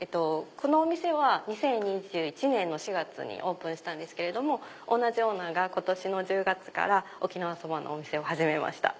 このお店は２０２１年の４月にオープンしたんですけれども同じオーナーが今年の１０月から沖縄そばのお店を始めました。